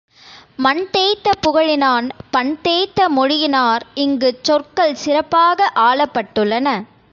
மண் தேய்த்த புகழினான், பண் தேய்த்த மொழியினார் இங்குச் சொற்கள் சிறப்பாக ஆளப் பட்டுள்ளன.